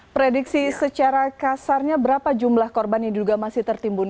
prediksi secara kasarnya berapa jumlah korban yang diduga masih tertimbun